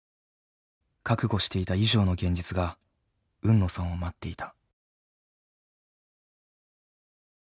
覚悟していた以上の現実が海野さんを待っていた。